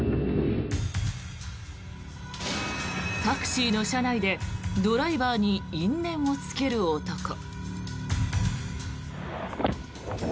タクシーの車内でドライバーに因縁をつける男。